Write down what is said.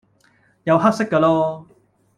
有黑色架囉